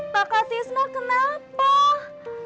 pakatis mah kenapa